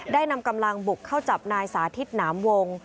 นำกำลังบุกเข้าจับนายสาธิตหนามวง